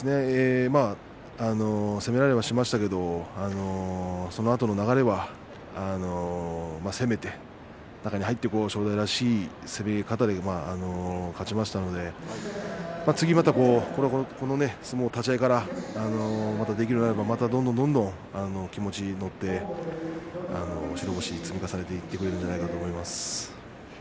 攻められはしましたがそのあとの流れは攻めて中に入って正代らしい攻め方で勝ちましたので次またこの相撲を立ち合いからできるようになれば、またどんどん気持ちが乗って白星を積み重ねていってくれるんじゃないかなと思います。